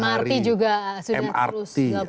mrt juga sudah terus